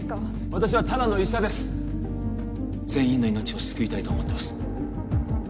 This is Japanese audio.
私はただの医者です全員の命を救いたいと思ってます